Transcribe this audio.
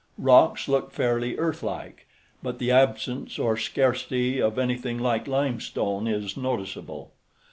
Rocks look fairly earthlike, but the absence or scarcity of anything like limestone is noticeable.